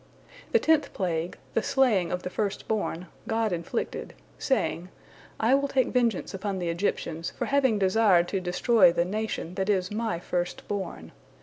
The tenth plague, the slaying of the first born, God inflicted, saying, "I will take vengeance upon the Egyptians for having desired to destroy the nation that is My first born.